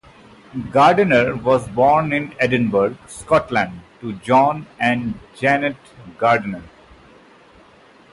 Gardiner was born in Edinburgh, Scotland to John and Janet Gardiner.